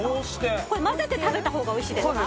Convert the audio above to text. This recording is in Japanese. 混ぜて食べたほうがおいしいですか。